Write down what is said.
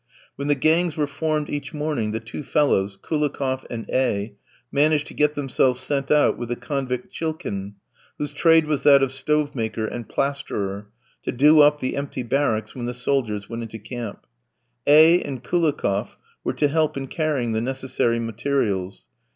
When the gangs were formed each morning, the two fellows, Koulikoff and A v, managed to get themselves sent out with the convict Chilkin, whose trade was that of stove maker and plasterer, to do up the empty barracks when the soldiers went into camp. A v and Koulikoff were to help in carrying the necessary materials.